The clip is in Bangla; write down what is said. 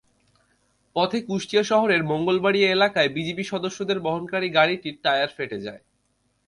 পথে কুষ্টিয়া শহরের মঙ্গলবাড়িয়া এলাকায় বিজিবি সদস্যদের বহনকারী গাড়িটির টায়ার ফেটে যায়।